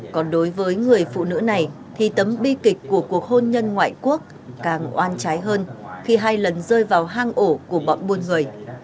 còn đối với người phụ nữ này thì tấm bi kịch của cuộc hôn nhân ngoại quốc càng oan trái hơn khi hai lần rơi vào hang ổ của bọn buôn người